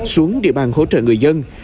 xuống địa bàn hỗ trợ người dân